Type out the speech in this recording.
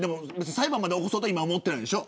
裁判までは起こそうとは思っていないでしょ。